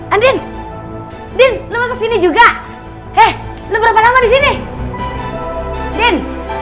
andien din lu sini juga eh lu berapa lama di sini din